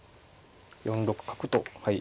４六角とはい。